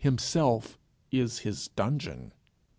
Himself is his dungeon.